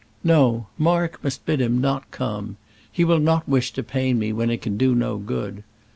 "No; Mark must bid him not come. He will not wish to pain me when it can do no good.